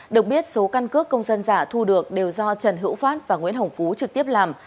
được biết số căn cước công dân giả thu được đều do trần hữu phát và nguyễn hồng phú trực tiếp làm